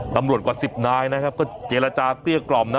ตำรวจกว่า๑๐นายนะครับก็เจรจาเปรี้ยกกล่อมนะ